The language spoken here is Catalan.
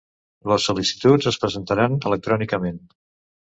Les sol·licituds es presentaran electrònicament.